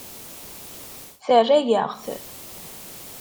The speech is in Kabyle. Terra-yaɣ-t.